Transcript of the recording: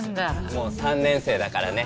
もう３年生だからね。